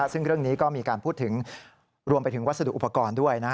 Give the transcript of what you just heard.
ซึ่งเรื่องนี้ก็มีการพูดถึงรวมไปถึงวัสดุอุปกรณ์ด้วย